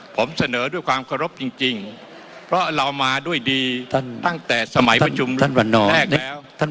ผมเสนอด้วยความเคารพจริงเพราะเรามาด้วยดีตั้งแต่สมัยประชุมรัฐวันนอร์แรกแล้ว